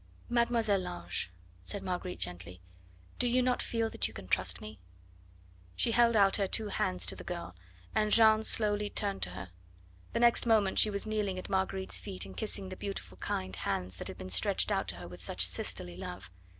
"Mademoiselle Lange," said Marguerite gently, "do you not feel that you can trust me?" She held out her two hands to the girl, and Jeanne slowly turned to her. The next moment she was kneeling at Marguerite's feet, and kissing the beautiful kind hands that had been stretched out to her with such sisterly love.